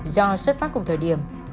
do xuất phát cùng thời điểm